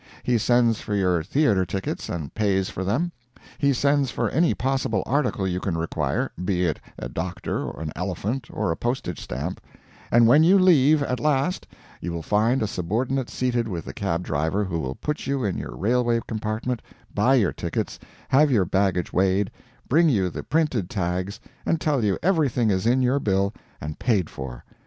He sends for your theater tickets, and pays for them; he sends for any possible article you can require, be it a doctor, an elephant, or a postage stamp; and when you leave, at last, you will find a subordinate seated with the cab driver who will put you in your railway compartment, buy your tickets, have your baggage weighed, bring you the printed tags, and tell you everything is in your bill and paid for.